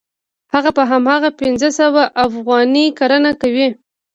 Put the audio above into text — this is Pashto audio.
هغه په هماغه پنځه سوه زره افغانۍ کرنه کوي